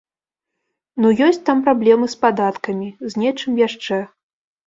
Ну ёсць там праблемы з падаткамі, з нечым яшчэ.